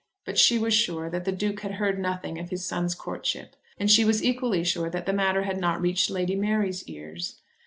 But she was sure that the Duke had heard nothing of his son's courtship. And she was equally sure that the matter had not reached Lady Mary's ears.